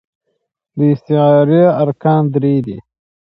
د استعارې ارکان درې دي.